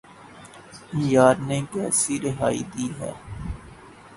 یار نے کیسی رہائی دی ہے